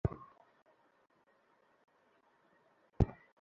বাড়ি ছেড়ে যাবো না।